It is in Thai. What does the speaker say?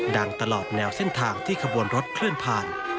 ตลอดแนวเส้นทางที่ขบวนรถเคลื่อนผ่าน